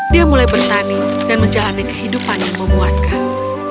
dia mulai bertani dan menjalani kehidupan yang memuaskan